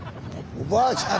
おばあちゃん。